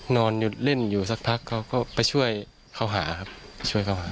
นอนหยุดเล่นอยู่สักพักเขาก็ไปช่วยเขาหาครับช่วยเขาหา